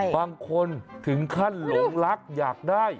บางคนถึงขั้นหลงรักอยากได้